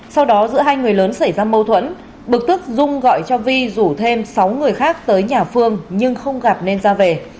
sau đó giữa hai người lớn xảy ra mâu thuẫn bực tức dung gọi cho vi rủ thêm sáu người khác tới nhà phương nhưng không gặp nên ra về